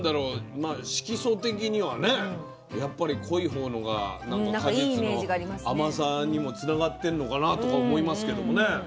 まあ色素的にはねやっぱり濃い方のが何か果実の甘さにもつながってんのかなとか思いますけどもね。